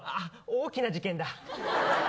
大きな事件だ。